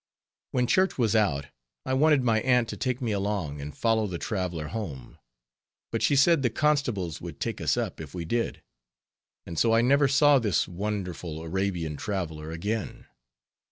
When church was out, I wanted my aunt to take me along and follow the traveler home. But she said the constables would take us up, if we did; and so I never saw this wonderful Arabian traveler again.